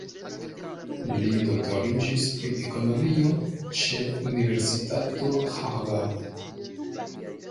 Li doktoriĝis pri ekonomio ĉe Universitato Harvard.